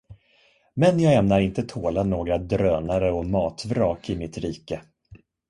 Men jag ämnar inte tåla några drönare och matvrak i mitt rike.